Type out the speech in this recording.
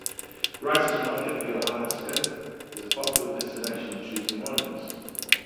Rice's Market near Lahaska is a popular destination on Tuesday mornings.